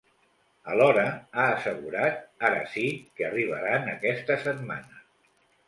Alhora, ha assegurat, ara sí, que arribaran aquesta setmana.